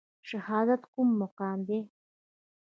شهادت کوم مقام دی؟